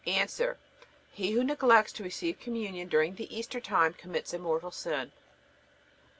A. He who neglects to receive Communion during the Easter time commits a mortal sin.